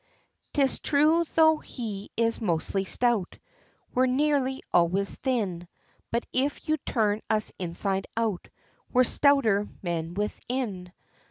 'Tis true, tho' he is mostly stout, We're nearly always thin, But if you turn us inside out, We're stouter men within.